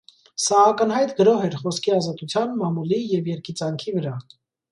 Սա ակնհայտ գրոհ էր խոսքի ազատության, մամուլի և երգիծանքի վրա։